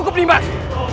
aku tidak berat